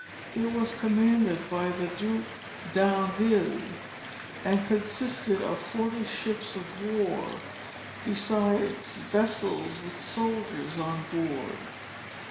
It was commanded by the Duke d'Anville, and consisted of forty ships of war, besides vessels with soldiers on board.